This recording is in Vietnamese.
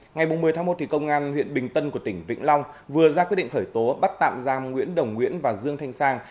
ngày một mươi tháng một công an huyện bình tân của tỉnh vĩnh long vừa ra quyết định khởi tố bắt tạm giam nguyễn đồng nguyễn và dương thanh sang